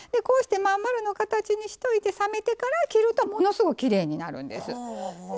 こうして真ん丸の形にしといて冷めてから切るとものすごうきれいになるんです。